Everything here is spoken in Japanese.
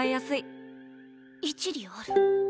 一理ある。